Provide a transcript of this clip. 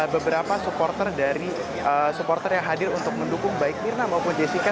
beberapa supporter dari supporter yang hadir untuk mendukung baik mirna maupun jessica